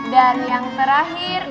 dan yang terakhir